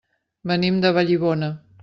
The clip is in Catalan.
Venim de Vallibona.